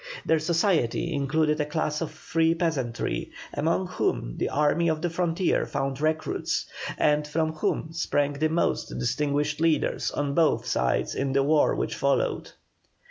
Their society included a class of free peasantry, among whom the army of the frontier found recruits, and from whom sprang the most distinguished leaders on both sides in the war which followed.